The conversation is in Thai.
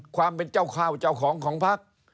ความเป็นเจ้าข้าวเจ้าของของพัก